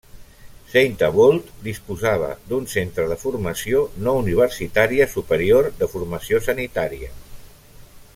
Saint-Avold disposava d'un centre de formació no universitària superior de formació sanitària.